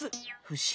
ふし？